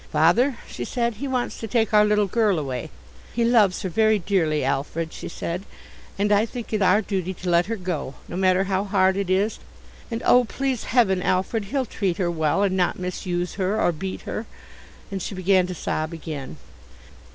"Father," she said, "he wants to take our little girl away. He loves her very dearly, Alfred," she said, "and I think it our duty to let her go, no matter how hard it is, and oh, please Heaven, Alfred, he'll treat her well and not misuse her, or beat her," and she began to sob again.